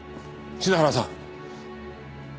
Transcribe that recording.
品原さん！